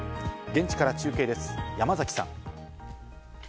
現地から中継です、山崎さん。